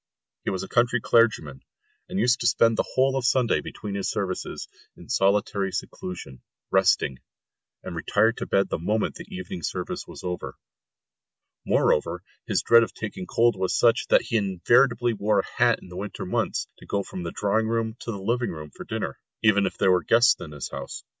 He was a country clergyman, and used to spend the whole of Sunday between his services, in solitary seclusion, "resting," and retire to bed the moment the evening service was over; moreover his dread of taking cold was such that he invariably wore a hat in the winter months to go from the drawing room to the dining room for dinner, even if there were guests in his house.